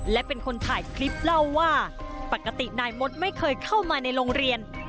และเป็นคนถ่ายคลิปเล่าว่าปกตินายมดไม่เคยเข้ามาในโรงเรียน